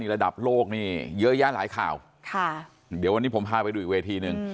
ระดับโลกนี่เยอะแยะหลายข่าวค่ะเดี๋ยววันนี้ผมพาไปดูอีกเวทีหนึ่ง